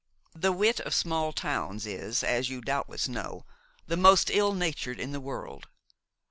The wit of small towns is, as you doubtless know, the most ill natured in the world.